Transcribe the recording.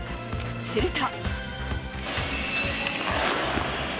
すると。